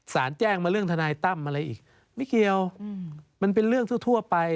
แจ้งมาเรื่องทนายตั้มอะไรอีกไม่เกี่ยวมันเป็นเรื่องทั่วไป